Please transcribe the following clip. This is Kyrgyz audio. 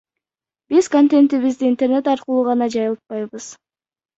Биз контентибизди интернет аркылуу гана жайылтпайбыз.